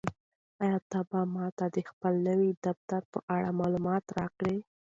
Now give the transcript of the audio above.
آیا ته به ماته د خپل نوي دفتر په اړه معلومات راکړې؟